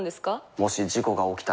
もし事故が起きたら？